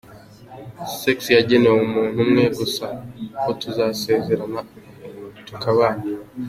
Sex yagenewe umuntu umwe gusa:Uwo tuzasezerana tukabana.